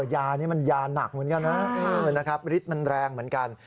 ยานี้มันยาหนักเหมือนกันนะฤทธิ์มันแรงเหมือนกัน